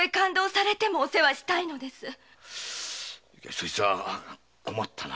そいつは困ったな。